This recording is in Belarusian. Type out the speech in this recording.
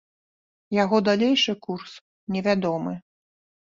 Яго далейшы курс невядомы.